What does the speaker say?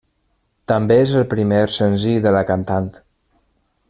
També és el primer senzill de la cantant.